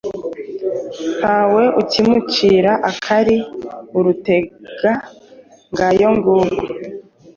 Ntawe ukimucira akari urutega."Ngayo nguko